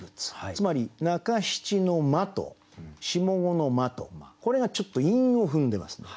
つまり中七の「曲」と下五の「磨」とこれがちょっと韻を踏んでますね。